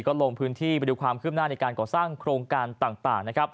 และลงพื้นที่เพื่อดูความคืบหน้าในการกระสั่งโครงการต่าง